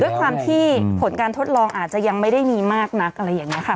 ด้วยความที่ผลการทดลองอาจจะยังไม่ได้มีมากนักอะไรอย่างนี้ค่ะ